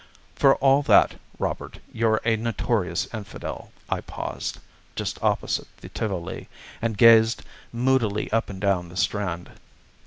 "For all that, Robert, you're a notorious Infidel." I paused just opposite the Tivoli and gazed moodily up and down the Strand.